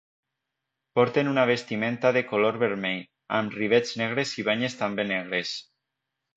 Porten una vestimenta de color vermell, amb rivets negres i banyes també negres.